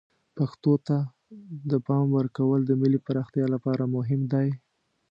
پښتو ته د پام ورکول د ملی پراختیا لپاره مهم دی.